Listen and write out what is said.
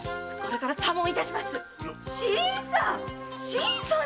新さん！